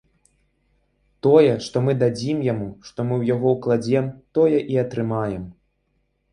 Тое, што мы дадзім яму, што мы ў яго ўкладзем, тое і атрымаем.